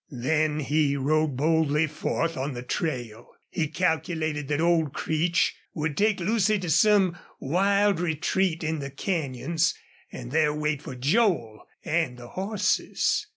Then he rode boldly forth on the trail. He calculated that old Creech would take Lucy to some wild retreat in the canyons and there wait for Joel and the horses.